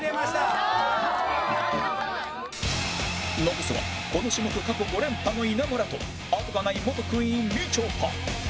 残すはこの種目過去５連覇の稲村とあとがない元クイーンみちょぱ